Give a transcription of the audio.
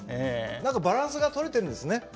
何かバランスが取れてるんですね